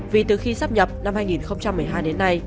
vì từ khi sắp nhập năm hai nghìn một mươi hai đến nay